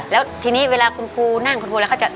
แล้วทีนี้เวลาคุณครูนั่งคุณครูอะไรเขาจะ